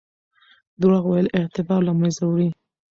درواغ ویل اعتبار له منځه وړي.